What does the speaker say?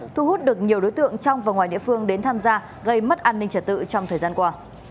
thu hút được nhiều đối tượng trong và ngoài địa phương đến tham gia gây mất an ninh trật tự trong thời gian qua